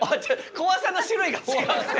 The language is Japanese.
怖さの種類が違くて。